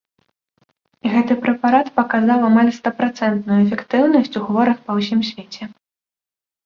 Гэты прэпарат паказаў амаль стапрацэнтную эфектыўнасць у хворых па ўсім свеце.